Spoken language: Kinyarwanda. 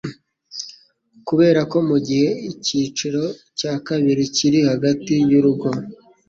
Kuberako mugihe icyiciro cya kabiri kiri hagati yurugo